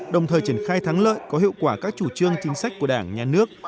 đồng thời triển khai thắng lợi có hiệu quả các chủ trương chính sách của đảng nhà nước